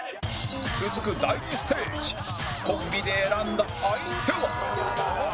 続く第２ステージコンビで選んだ相手は